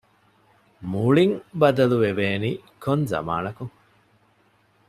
މުޅިން ބަދަލުވެވޭނީ ކޮން ޒަމާނަކުން؟